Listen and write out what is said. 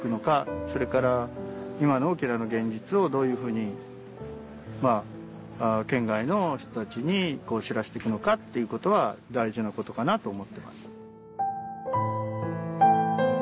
それから今の沖縄の現実をどういうふうに県外の人たちに知らせて行くのかっていうことは大事なことかなと思ってます。